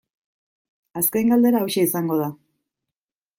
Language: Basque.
Azken galdera hauxe izango da.